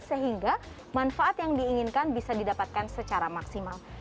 sehingga manfaat yang diinginkan bisa didapatkan secara maksimal